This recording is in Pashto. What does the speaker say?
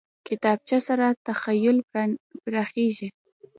کتابچه سره تخیل پراخېږي